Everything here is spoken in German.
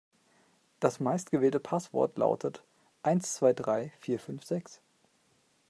Das meistgewählte Passwort lautet eins zwei drei vier fünf sechs.